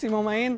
sini mau main